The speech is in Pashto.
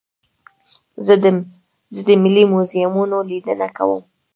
زه د ملي موزیمونو لیدنه کوم.